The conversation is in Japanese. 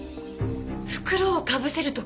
袋をかぶせるとか？